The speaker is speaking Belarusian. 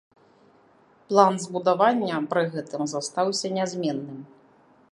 План збудавання пры гэтым застаўся нязменным.